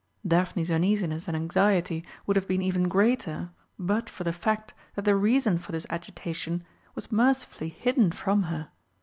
Daphne's uneasiness and anxiety would have been even greater, but for the fact that the reason for this agitation was mercifully hidden from her.